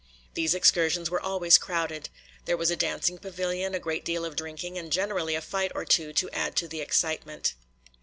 These excursions were always crowded. There was a dancing pavilion, a great deal of drinking, and generally a fight or two to add to the excitement.